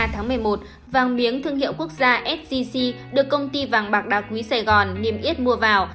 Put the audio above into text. tháng một mươi ba một mươi một vàng miếng thương hiệu quốc gia sgc được công ty vàng bạc đa quý sài gòn niêm yết mua vào